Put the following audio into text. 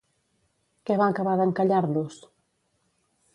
Què va acabar d'encallar-los?